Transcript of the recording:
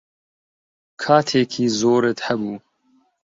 کاتێکی زۆرت هەبوو.